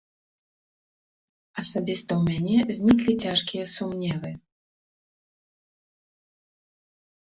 Асабіста ў мяне зніклі цяжкія сумневы.